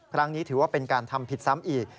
ครั้งนี้ถือว่าเป็นการทำผิดซ้ำอีก